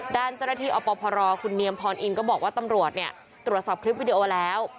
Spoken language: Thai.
ด้านเจ้าหน้าที่อพรคุณเนียมพรอินก็บอกว่าตำรวจเนี่ยตรวจสอบคลิปวิดีโอแล้ว